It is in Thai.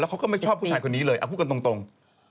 เขาก็ไม่ชอบผู้ชายคนนี้เลยเอาพูดกันตรง